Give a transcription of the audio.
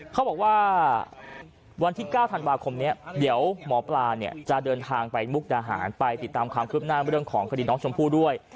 เขาบอกว่าวันที่๙ธันวาคมนี้เดี๋ยวหมอปลาเนี่ยจะเดินทางไปมุกดาหารไปติดตามความคืบหน้าเรื่องของคดีน้องชมพู่ด้วย